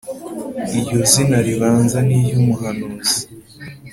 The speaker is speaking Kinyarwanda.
iryo zina ribanza ni iry’umuhanuzi